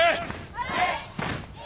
はい！